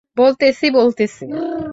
বলতেসি, বলতেসি।